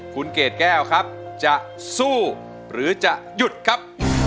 คุณเกดแก้วครับจะสู้หรือจะหยุดครับ